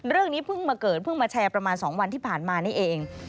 เรื่องนี้เพิ่งมาเกิดเพิ่งมาแชร์ประมาณ๒วันที่ผ่านมานี่เอง